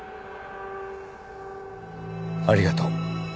ありがとう。